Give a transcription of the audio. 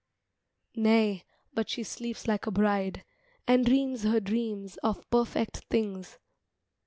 Nay, but she sleeps like a bride, and dreams her dreams Of perfect things.